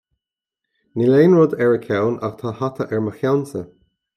Níl aon rud ar a ceann, ach tá hata ar mo cheannsa